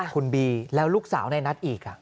คุณบีแล้วลูกสาวในนัทอีก